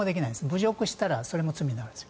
侮辱したらそれも罪になるんです。